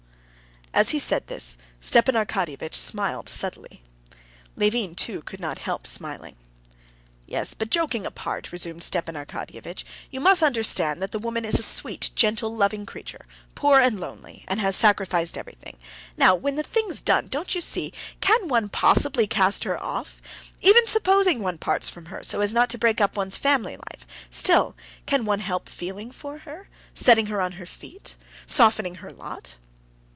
As he said this, Stepan Arkadyevitch smiled subtly. Levin, too, could not help smiling. "Yes, but joking apart," resumed Stepan Arkadyevitch, "you must understand that the woman is a sweet, gentle loving creature, poor and lonely, and has sacrificed everything. Now, when the thing's done, don't you see, can one possibly cast her off? Even supposing one parts from her, so as not to break up one's family life, still, can one help feeling for her, setting her on her feet, softening her lot?"